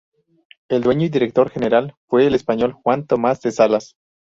El dueño y director general fue el español Juan Tomás de Salas.